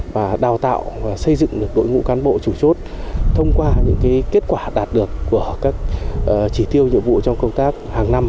và đào tạo và xây dựng được đội ngũ cán bộ chủ chốt thông qua những kết quả đạt được của các chỉ tiêu nhiệm vụ trong công tác hàng năm